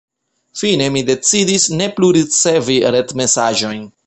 Fine mi decidis ne plu ricevi retmesaĝojn.